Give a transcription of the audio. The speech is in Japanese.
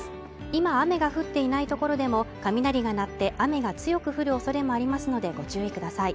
今雨が降っていないところでも雷が鳴って雨が強く降るおそれもありますのでご注意ください